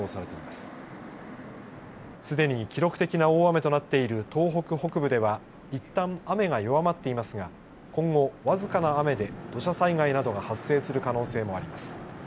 すでに記録的な大雨となっている東北北部ではいったん雨が弱まっていますが今後僅かな雨で土砂災害などが発生する可能性もあります。